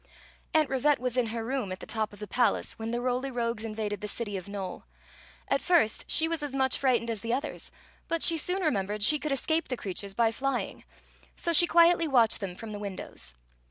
Aunt Rivette was in her room at the top of the palace when the Roly Rogues invaded the city of Nole. At first she was as much frightened as the others ; but she soon remembered she could esc^ the creatures by flying; so she quietly watched them from the windows.